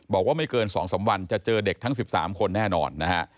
บอกว่าไม่เกิน๒๓วันจะเจอเด็กทั้ง๑๓คนแน่นอนนะฮะ